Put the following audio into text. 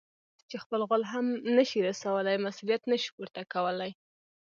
چې خپل غول هم نه شي رسولاى؛ مسؤلیت نه شي پورته کولای.